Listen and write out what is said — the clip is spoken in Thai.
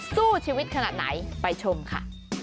สู้ชีวิตขนาดไหนไปชมค่ะ